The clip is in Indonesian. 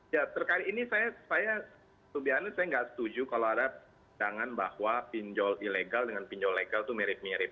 ya terkait ini saya to be honey saya nggak setuju kalau ada jangan bahwa pinjol ilegal dengan pinjol legal itu mirip mirip